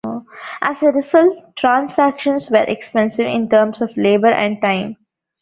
As a result, transactions were expensive in terms of labour and time.